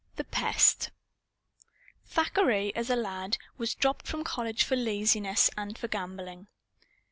The Pest Thackeray, as a lad, was dropped from college for laziness and for gambling.